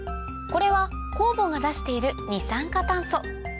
これは酵母が出している二酸化炭素